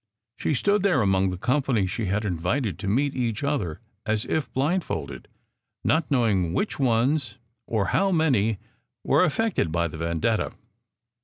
She stood there among the company she had invited to meet each other as if blindfold, not knowing which ones, or how many, were affected by the vendetta.